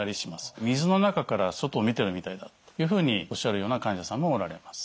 水の中から外を見てるみたいだっていうふうにおっしゃるような患者さんもおられます。